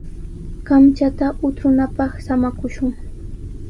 Kamchata utrunapaq samakushun.